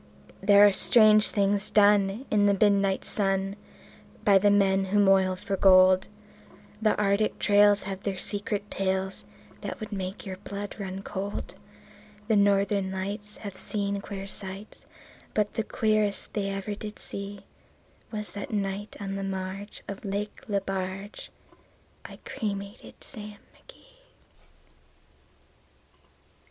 There are strange things done in the midnight sun By the men who moil for gold; The Arctic trails have their secret tales That would make your blood run cold; The Northern Lights have seen queer sights, But the queerest they ever did see Was that night on the marge of Lake Lebarge I cremated Sam McGee.